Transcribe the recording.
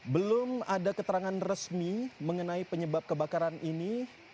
belum ada keterangan resmi mengenai penyebab kebakaran ini